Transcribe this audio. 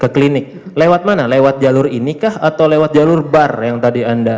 ke klinik lewat mana lewat jalur ini kah atau lewat jalur bar yang tadi anda